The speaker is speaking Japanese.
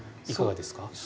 いかがですか？